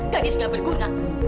gadis gak berguna